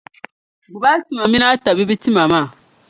Gbib’ a tima min’ a tabibi tima maa.